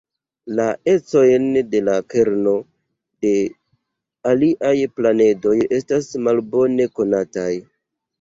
La ecojn de la kerno de aliaj planedoj estas malbone konataj.